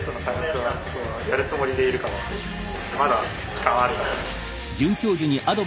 まだ時間はあるから。